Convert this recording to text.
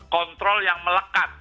kontrol yang melekat